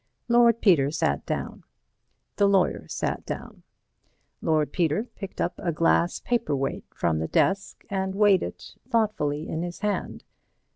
Lord Peter sat down. The lawyer sat down. Lord Peter picked up a glass paper weight from the desk and weighed it thoughtfully in his hand.